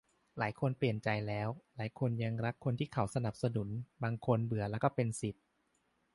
หลายคนเปลี่ยนใจแล้ว หลายคนยังรักคนที่เขาสนับสนุน บางคนเบื่อละ ก็เป็นสิทธิ์